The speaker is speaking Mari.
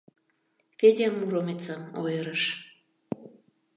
Федя Муромецым ойырыш.